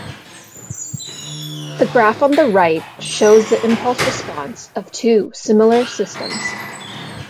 The graph on the right shows the impulse response of two similar systems.